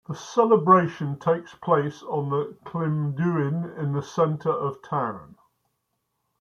The celebration takes place on the klimduin in the center of town.